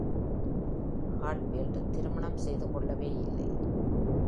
Hadfield திருமணம் செய்து கொள்ளவேயில்லை.